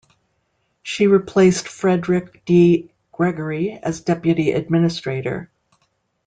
She replaced Frederick D. Gregory as Deputy Administrator.